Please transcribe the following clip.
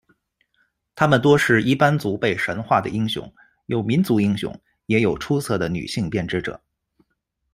他们多是伊班族被神化的英雄，有民族英雄，也有出色的女性编织者。